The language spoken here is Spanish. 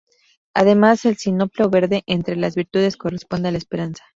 Además el sinople o verde, entre las virtudes, corresponde a la esperanza.